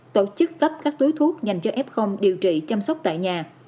tổ chức tấp các túi thuốc dành cho f điều trị chăm sóc tại nhà